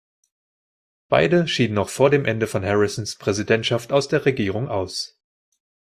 Beide schieden noch vor dem Ende von Harrisons Präsidentschaft aus der Regierung aus.